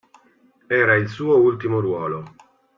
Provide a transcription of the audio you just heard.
Era il suo ultimo ruolo.